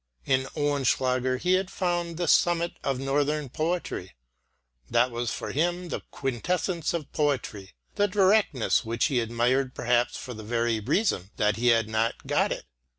In Oehlenschläger he had found the summit of Northern poetry. That was for him the quintessence of poetry, the directness which he admired perhaps for the very reason that he had not got it.